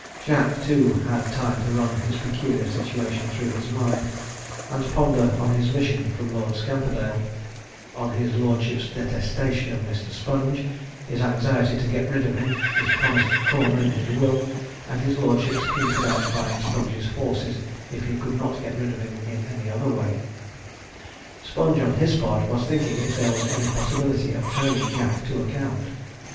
Jack, too, had time to run his peculiar situation through his mind, and ponder on his mission from Lord Scamperdale on his lordship's detestation of Mr. Sponge, his anxiety to get rid of him, his promised corner in his will, and his lordship's hint about buying Sponge's horses if he could not get rid of him in any other way. Sponge, on his part, was thinking if there was any possibility of turning Jack to account.